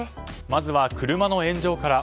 まずは車の炎上から。